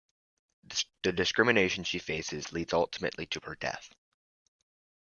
The discrimination she faces leads ultimately to her death.